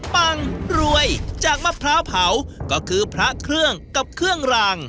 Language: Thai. พระพราวก็คือพระเครื่องกับเครื่องราง